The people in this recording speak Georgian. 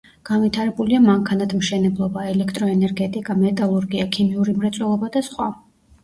განვითარებულია მანქანათმშენებლობა, ელექტროენერგეტიკა, მეტალურგია, ქიმიური მრეწველობა და სხვა.